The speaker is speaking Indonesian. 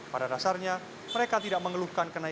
pada dasarnya mereka tidak mengeluhkan kenaikan